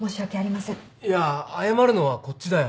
いや謝るのはこっちだよ。